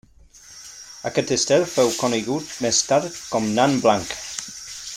Aquest estel fou conegut més tard com nan blanc.